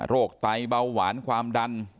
ไตเบาหวานความดัน